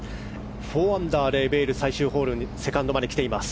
４アンダー、エベール最終ホールセカンドまで来ています。